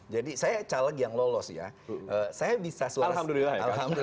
jadi saya caleg yang lolos ya saya bisa suara alhamdulillah saya mengawal suara itu dan betul